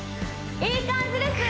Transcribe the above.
いい感じです